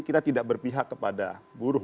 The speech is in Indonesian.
kita tidak berpihak kepada buruh